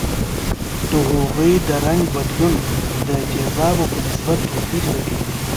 د هغوي د رنګ بدلون د تیزابو په نسبت توپیر لري.